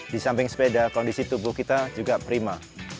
di samping sepeda kondisi tubuh kita juga prima